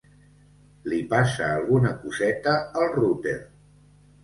Li passa alguna coseta al router.